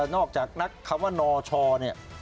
นอกจากนักคำว่านชเนี่ย